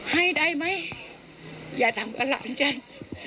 ให้ได้ไหมอย่าตามกันหล่ะอาจารย์